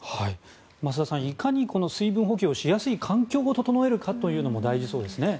増田さんいかに水分補給をしやすい環境を整えるかというのも大事そうですね。